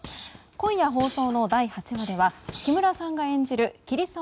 今夜放送の第８話では木村さんが演じる桐沢